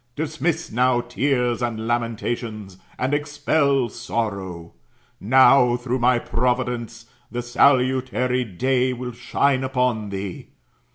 Dismiss now tears and lamentations, and expel sorrow. Now, through my providence, the salutary day 'will shine upon thee.